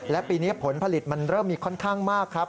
และปีนี้ผลผลิตมันเริ่มมีค่อนข้างมากครับ